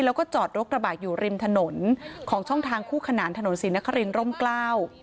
แล้วก็จอดรถกระบะอยู่ริมถนนของช่องทางคู่ขนานถนนศรีนครินร่มเกล้า